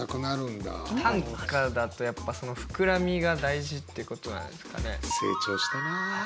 短歌だとやっぱその膨らみが大事ってことなんですかね。